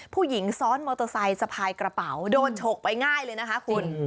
ผู้หญิงซ้อนมอเตอร์ไซค์สะพายกระเป๋าโดนฉกไปง่ายเลยนะคะคุณ